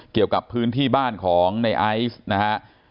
เกี่ยวกับพื้นที่บ้านของในไอซ์นะฮะ